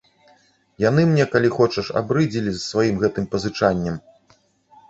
Яны мне, калі хочаш, абрыдзелі з сваім гэтым пазычаннем.